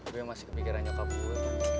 gue masih kepikiran nyokap gue